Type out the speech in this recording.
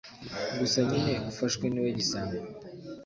gusa nyine ufashwe niwe gisambo…